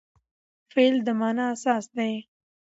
فعل د مانا اساس دئ.